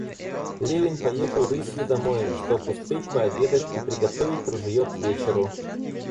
Левин поехал рысью домой, чтоб успеть пообедать и приготовить ружье к вечеру.